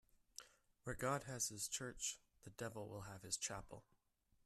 Where God has his church, the devil will have his chapel.